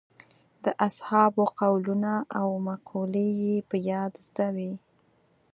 د اصحابو قولونه او مقولې یې په یاد زده وې.